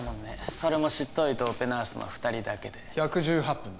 それも執刀医とオペナースの二人だけで１１８分だ